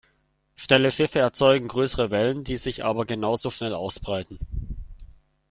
Schnelle Schiffe erzeugen größere Wellen, die sich aber genau so schnell ausbreiten.